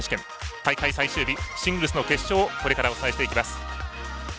大会最終日シングルスの決勝をこれからお伝えしていきます。